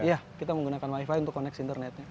iya kita menggunakan wifi untuk koneks internetnya